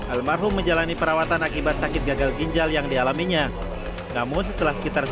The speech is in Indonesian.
almarhum menjalani perawatan akibat sakit gagal ginjal yang dialaminya namun setelah sekitar